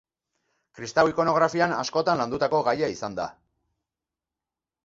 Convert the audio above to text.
Kristau ikonografian askotan landutako gaia izan da.